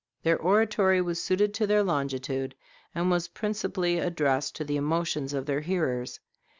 Their oratory was suited to their longitude, and was principally addressed to the emotions of their hearers.